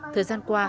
thời gian qua